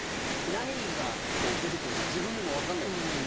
何が出てくるのか自分でも分かんないっすよね。